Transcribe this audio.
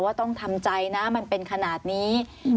ต้องทำใจนะมันเป็นขนาดนี้